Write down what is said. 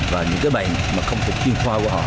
và những cái bệnh mà không thể tìm ra